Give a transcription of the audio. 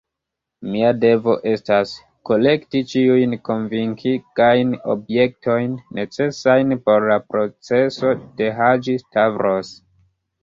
Mia devo estas, kolekti ĉiujn konvinkigajn objektojn, necesajn por la proceso de Haĝi-Stavros.